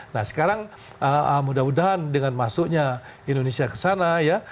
nah sekarang mudah mudahan dengan masuknya indonesia ke sana ya